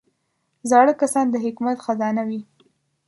زاړه کسان د حکمت خزانه وي